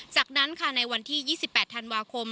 จากนั้นค่ะในวันที่๒๘ธันวาคม